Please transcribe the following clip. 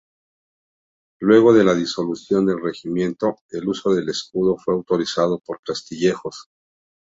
Luego de la disolución del regimiento, el uso del escudo fue autorizado por Castillejos.